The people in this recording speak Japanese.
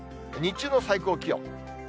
日中の最高気温。